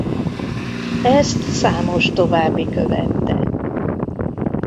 Ezt számos további követte.